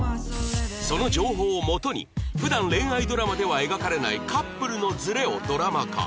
その情報をもとに普段恋愛ドラマでは描かれないカップルのズレをドラマ化